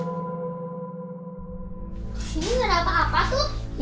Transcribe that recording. di sini ada apa apa tuh